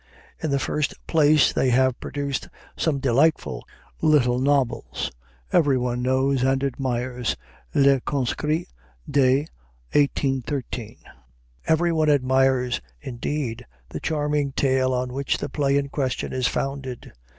In the first place, they have produced some delightful little novels; everyone knows and admires Le Conscrit de 1813; everyone admires, indeed, the charming tale on which the play in question is founded.